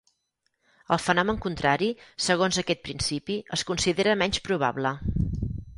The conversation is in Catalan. El fenomen contrari, segons aquest principi, es considera menys probable.